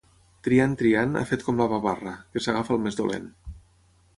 Triant, triant, ha fet com la paparra, que s'agafa al més dolent.